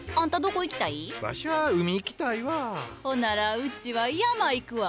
ほならうちは山行くわ。